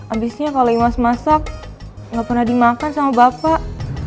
abisnya kalau imaz masak gak pernah dimakan sama bapak